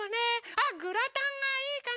あっグラタンがいいかな？